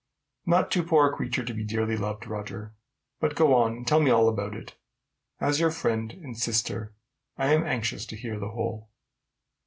"Not too poor a creature to be dearly loved, Roger. But go on and tell me all about it. As your friend and sister, I am anxious to hear the whole."